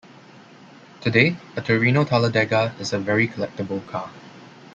Today, a Torino Talladega is a very collectible car.